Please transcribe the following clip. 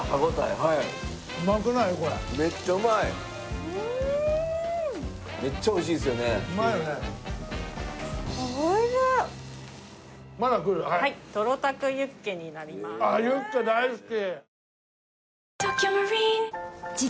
あっユッケ大好き。